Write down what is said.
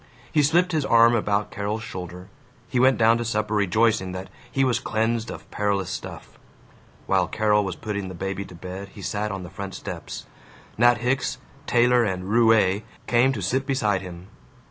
He slipped his arm about Carol's shoulder; he went down to supper rejoicing that he was cleansed of perilous stuff. While Carol was putting the baby to bed he sat on the front steps. Nat Hicks, tailor and roue, came to sit beside him.